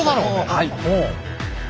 はい。